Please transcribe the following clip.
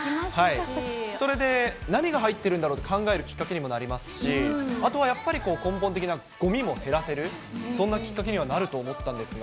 それで何が入ってるんだろうって考えるきっかけにもなりますし、あとはやっぱりこう、根本的なごみも減らせる、そんなきっかけにはなると思ったんですが。